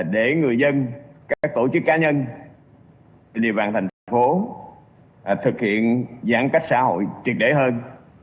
để người dân các tổ chức cá nhân trên địa bàn thành phố thực hiện giãn cách xã hội triệt để hơn